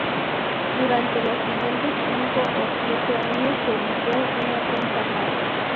Durante los siguientes cinco ó siete años se vivió una tensa paz.